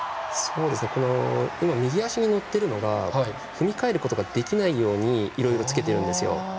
右足に乗っているのが踏みかえることができないよういろいろつけてるんですよ。